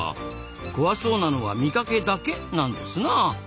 怖そうなのは見かけだけなんですなあ。